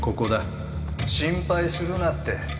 心配するなって。